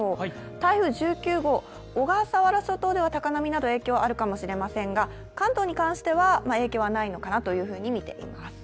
台風１９号、小笠原諸島で高波の影響があるかもしれませんが関東に関しては、影響はないのかなというふうに見ています。